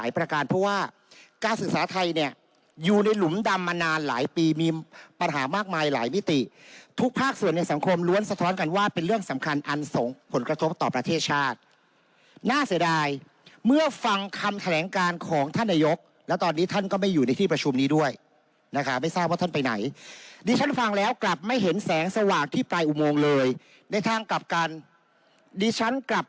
ภาคมายหลายมิติทุกภาคส่วนในสังคมล้วนสะท้อนกันว่าเป็นเรื่องสำคัญอันส่งผลกระทบต่อประเทศชาติน่าเสียดายเมื่อฟังคำแถลงการของท่านนายกแล้วตอนนี้ท่านก็ไม่อยู่ในที่ประชุมนี้ด้วยนะคะไม่ทราบว่าท่านไปไหนดิฉันฟังแล้วกลับไม่เห็นแสงสว่างที่ปลายอุโมงเลยในทางกลับกันดิฉันกลั